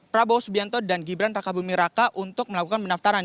prabowo subianto dan gibran raka bumi raka untuk melakukan pendaftaran